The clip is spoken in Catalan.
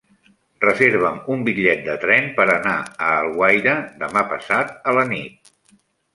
Reserva'm un bitllet de tren per anar a Alguaire demà passat a la nit.